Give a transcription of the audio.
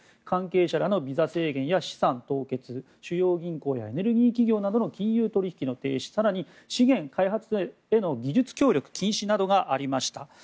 関係者らのビザ制限や資産凍結主要銀行やエネルギー企業などの金融取引の停止更に資源開発への技術協力禁止などがありました。